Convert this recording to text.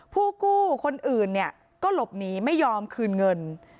ผู้กู้คนอื่นเนี่ยก็หลบหนีไม่ยอมคืนเงิน